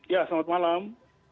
ya selamat malam